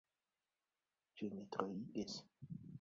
Ĉu mi troigis?